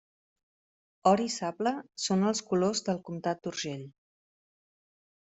Or i sable són els colors del comtat d'Urgell.